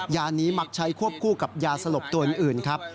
ยานี้มักใช้ควบคู่กับยาสลบตัวอื่นครับ